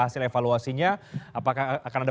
hasil evaluasinya apakah akan ada